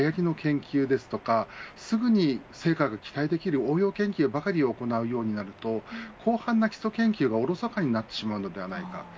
各大学が卓越大学に認定されるように今はやりの研究ですとかすぐに成果が期待できる応用研究ばかり行うようになると広範な基礎研究がおろそかになってしまうのではないか。